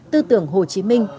tư tưởng hồ chí minh